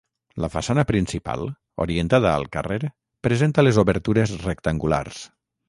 La façana principal, orientada al carrer, presenta les obertures rectangulars.